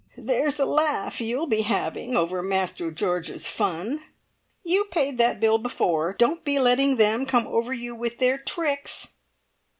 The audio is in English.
"There's a laugh you'll be having over Master George's fun!" "You paid that bill before. Don't be letting them come over you with their tricks!"